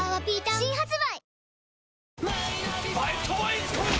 新発売